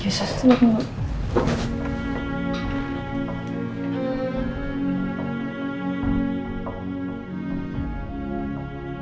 iya saya sendiri bu